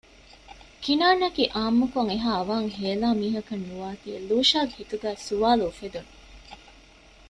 ކިނާންއަކީ އާންމުކޮށް އެހާ އަވަހަށް ހޭލާ މީހަކަށް ނުވާތީ ލޫޝާގެ ހިތުގައި ސުވާލު އުފެދުން